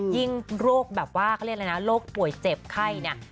โรคแบบว่าเขาเรียกอะไรนะโรคป่วยเจ็บไข้เนี่ย